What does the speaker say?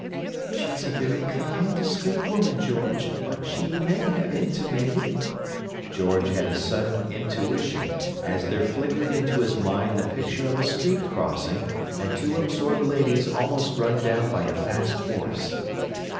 "She's a very kind, discreet woman, George; but she may have intimated—" George had a sudden intuition, as there flickered into his mind the picture of a street crossing and two absorbed ladies almost run down by a fast horse.